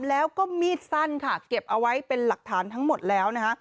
แล้วก็มีดสั้นค่ะเก็บเอาไว้เป็นหลักฐานทั้งหมดแล้วนะคะ